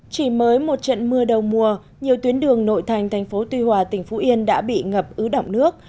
chỉ mới một trận mưa đầu mùa nhiều tuyến đường nội thành tp tuy hòa tỉnh phú yên đã bị ngập ứ đọng nước